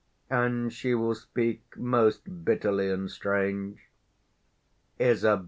_ And she will speak most bitterly and strange. _Isab.